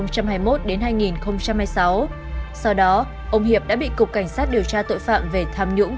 sau đó ông hiệp đã bị cục cảnh sát điều tra tội phạm về tham nhũng